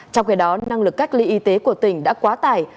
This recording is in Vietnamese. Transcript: trong khi đó năng lực cách ly y tế của tỉnh đã quá tải